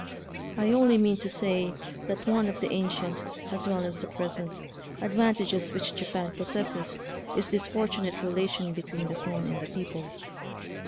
I only mean to say that one of the ancient, as well as the present, advantages which Japan pos sesses is this fortunate relation between THE NEW JAPAN. 891 the throne and the people.